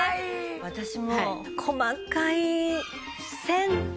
私も細かい線が。